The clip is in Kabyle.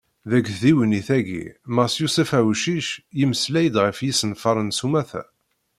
Deg tdiwennit-agi, mass Yusef Awcic, yemmeslay-d ɣef yisenfaren s umata.